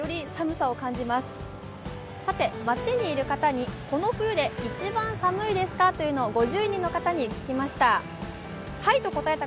さて、待ちにいる方に、この冬で一番寒いですかということを５０人の方に聞きました。